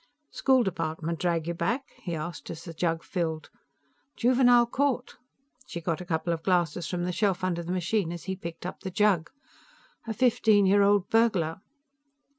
"School department drag you back?" he asked as the jug filled. "Juvenile court." She got a couple of glasses from the shelf under the machine as he picked up the jug. "A fifteen year old burglar."